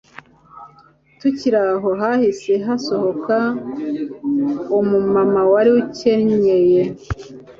Tukiri aho hahise hasohoka umumama wari ukenyeye